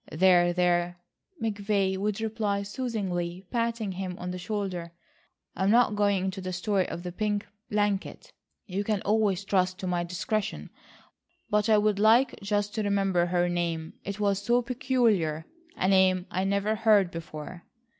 "There, there," McVay would reply soothingly patting him on the shoulder, "I'm not going into the story of the pink blanket. You can always trust to my discretion. But I would like just to remember her name. It was so peculiar,—a name I never heard before."